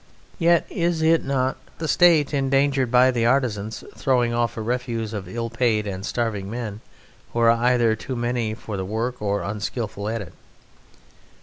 Yet is not the State endangered by the artisan's throwing off a refuse of ill paid and starving men who are either too many for the work or unskilful at it?